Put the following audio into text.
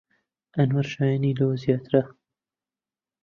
ئەنوەر شایەنی لەوە زیاترە.